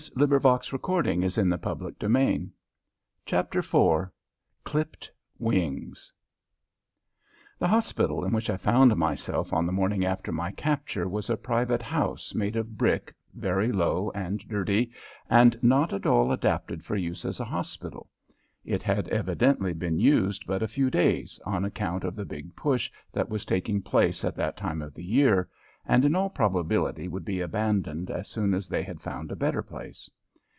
IV CLIPPED WINGS The hospital in which I found myself on the morning after my capture was a private house made of brick, very low and dirty, and not at all adapted for use as a hospital. It had evidently been used but a few days, on account of the big push that was taking place at that time of the year, and in all probability would be abandoned as soon as they had found a better place.